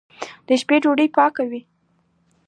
د شپې ډوډۍ سپکه وي.